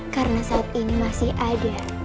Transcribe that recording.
karena saat ini masih ada